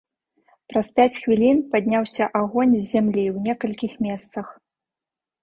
Праз пяць хвілін падняўся агонь з зямлі ў некалькіх месцах.